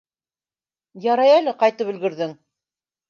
Ярай әле, ҡайтып өлгөрҙөң.